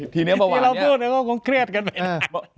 ทีนี้เมื่อวานทีเราพูดก็เครียดไปนาน